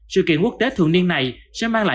sự kiện quốc tế thường niên này sẽ mang lại